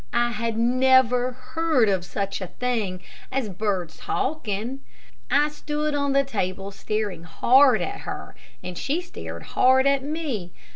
I had never heard of such a thing as birds talking. I stood on the table staring hard at her, and she stared hard at me.